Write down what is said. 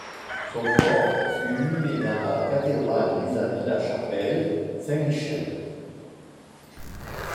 Son corps fut inhumé dans la cathédrale vis-à-vis la chapelle Saint-Michel.